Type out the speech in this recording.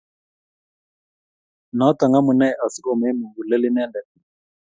Notok amune asikomee mukulel inendet